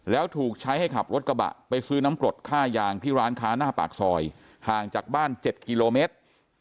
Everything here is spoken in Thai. แล้วถูกใช้ให้ขับรถกระบะไปซื้อน้ำกรดค่ายางที่ร้านค้าหน้าปากซอยห่างจากบ้าน๗กิโลเมตร